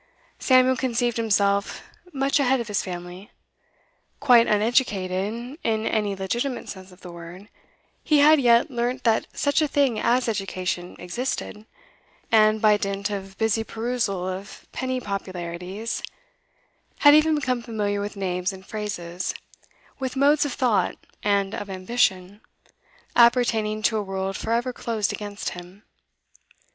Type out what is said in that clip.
Samuel conceived himself much ahead of his family. Quite uneducated, in any legitimate sense of the word, he had yet learnt that such a thing as education existed, and, by dint of busy perusal of penny popularities, had even become familiar with names and phrases, with modes of thought and of ambition, appertaining to a world for ever closed against him.